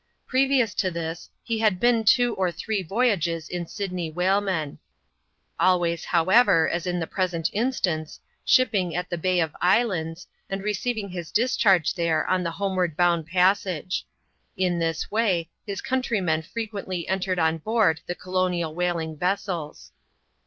Previous to this, he had been two or three voyages in Sydney whalemen; always, however, as in the present in stance^ shipping at the Bay of Islands, and receiving his discharge there on the homeward bound passage. In this way, his countrymen frequently entered on board the colonial whaling vessels.